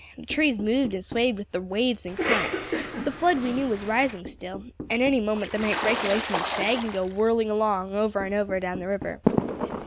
The trees moved and swayed with the waves and current; the flood we knew was rising still, and any moment they might break away from the snag and go whirling along, over and over, down the river.